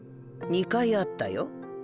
２回あったよ。